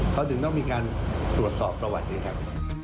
เขาถึงต้องมีการตรวจสอบประวัติไงครับ